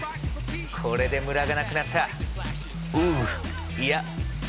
これでムラがなくなった。